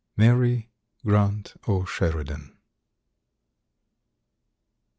Mary Grant O'Sheridan.